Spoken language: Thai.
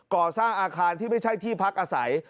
ก่อสร้างอาคารที่ไม่ใช่ที่พักอาศัย